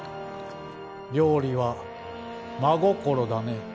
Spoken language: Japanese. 料理は真心だね